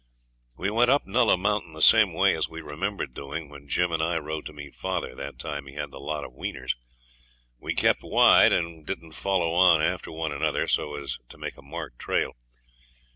We went up Nulla Mountain the same way as we remembered doing when Jim and I rode to meet father that time he had the lot of weaners. We kept wide and didn't follow on after one another so as to make a marked trail.